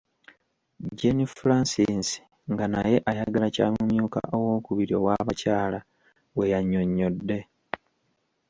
Jane Francis nga naye ayagala kya mumyuka owookubiri ow'abakyala bwe yannyonnyodde.